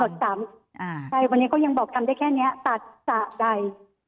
ชายคนนี้ก็ยังบอกทำได้แค่นี้ตัดสระใด